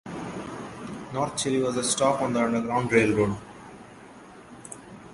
North Chili was a stop on the Underground Railroad.